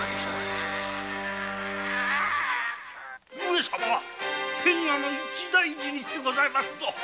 上様天下の一大事にございまするぞ。